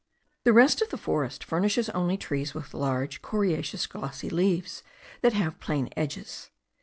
The rest of the forest furnishes only trees with large, coriaceous, glossy leaves, that have plain edges.